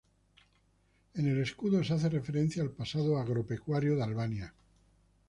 En el escudo se hace referencia al pasado agropecuario de Albany.